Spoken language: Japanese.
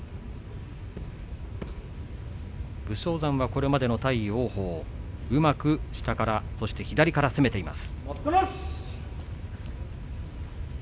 武将山はこれまで対王鵬はうまく下からそして左から攻めています。